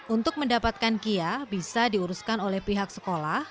untuk mendapatkan kia bisa diuruskan oleh pihak sekolah